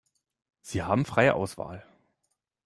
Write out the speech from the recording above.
Sie haben freie Auswahl.